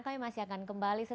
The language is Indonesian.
kami masih akan kembali